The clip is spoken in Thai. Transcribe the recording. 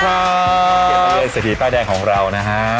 เกดไปเยินเศรษฐีต้ายแดงของเรานะครับ